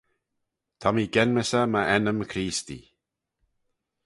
Ta mee genmys eh my ennym Creestee.